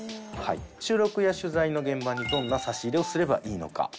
収録や取材の現場にどんな差し入れをすればいいのか？